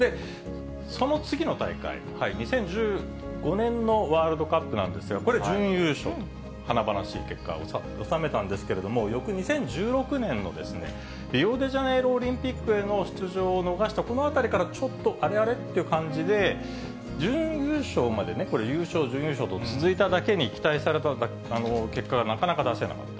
その次の大会、２０１５年のワールドカップなんですが、これ準優勝、華々しい結果を収めたんですけれども、翌２０１６年のですね、リオデジャネイロオリンピックへの出場を逃したこのあたりからちょっと、あれあれっていう感じで、準優勝までね、これ、優勝、準優勝と続いただけに、期待された結果がなかなか出せなかった。